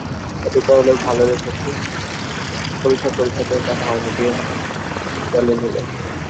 অধিকারী লোক ভালো রে শশী, পরীক্ষা করে সতেরো টাকা মাইনে দিয়ে দলে নিলে।